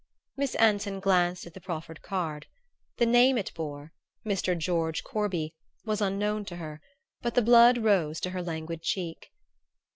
Miss Anson glanced at the proffered card. The name it bore Mr. George Corby was unknown to her, but the blood rose to her languid cheek.